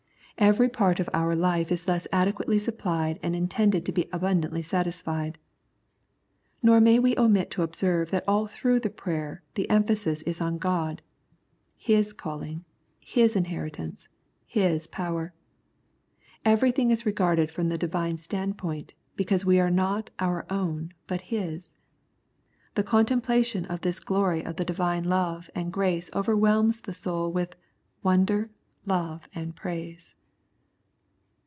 Every part of our life is thus adequately suppHed and intended to be abundantly satisfied. Nor may we omit to observe that all through the prayer the emphasis is on God : His calling ; His inheritance ; His power. Everything is re garded from the Divine standpoint, because we are not our own but His. The con templation of this glory of the Divine love and grace overwhelms the soul with "wonder, love, and praise."